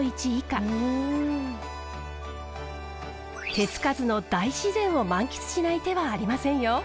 手付かずの大自然を満喫しない手はありませんよ。